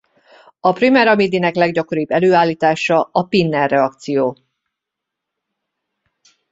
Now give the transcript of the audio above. A primer amidinek leggyakoribb előállítása a Pinner-reakció.